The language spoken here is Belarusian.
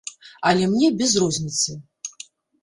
Але мне без розніцы.